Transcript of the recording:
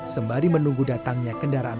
sembari menunggu datangnya kendaraan